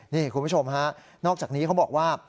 นี่คุณผู้ชมฮะนอกจากนี้เขาบอกว่า